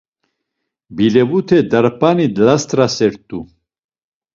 Bilevute darp̌ani last̆rasert̆u.